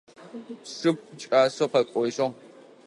Сшыпхъу кӏасэу къэкӏожьыгъ.